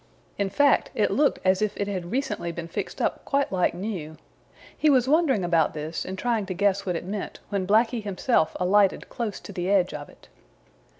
In fact, it looked as if it had recently been fixed up quite like new. He was wondering about this and trying to guess what it meant, when Blacky himself alighted close to the edge of it.